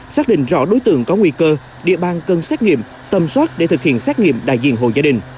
xác định rõ đối tượng có nguy cơ địa bàn cần xét nghiệm tầm soát để thực hiện xét nghiệm đại diện hồ gia đình